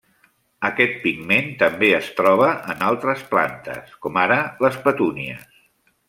Aquest pigment també es troba en altres plantes, com ara les petúnies.